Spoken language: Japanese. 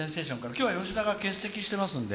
今日は吉田が欠席してますんで。